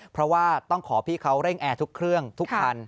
เพราะว่าต้องขอพี่เขาเร่งแอร์ทุกเครื่องทุกคัน